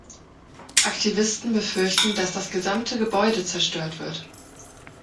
Aktivisten befürchten, dass das gesamte Gebäude zerstört wird.